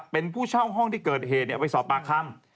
เป็นผู้เช่าห้องที่เกิดเหตุไปสอบปากคำ